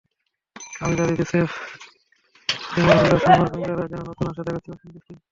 Alzarri Joseph, Kemar Holder, Shamar স্প্রিঙ্গাররা যেন নতুন আশা দেখাচ্ছেন ওয়েস্ট ইন্ডিজকে।